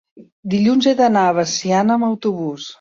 dilluns he d'anar a Veciana amb autobús.